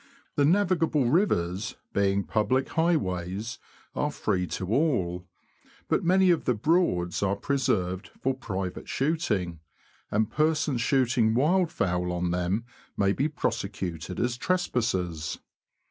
The navigable rivers, being public highways, are free to all ; but many of the Broads are preserved for private shooting, and persons shooting wildfowl on them may be prosecuted as trespassers.